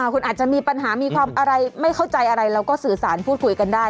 คุณอาจจะมีปัญหามีความอะไรไม่เข้าใจอะไรเราก็สื่อสารพูดคุยกันได้